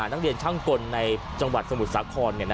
นักเรียนช่างกลในจังหวัดสมุทรสาคร